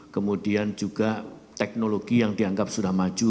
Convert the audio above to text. kemudian juga teknologi yang dianggap sudah maju